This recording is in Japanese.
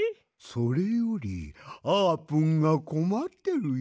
それよりあーぷんがこまってるようだけど？